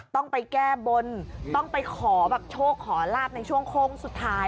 ต้องไปแก้บนต้องไปขอแบบโชคขอลาบในช่วงโค้งสุดท้าย